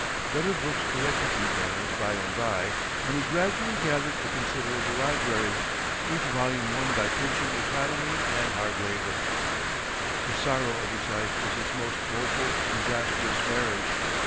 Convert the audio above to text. Better books corrected these errors by and by, and he gradually gathered a considerable library, each volume won by pinching economy and hard labor. The sorrow of his life was his most woeful, disastrous marriage.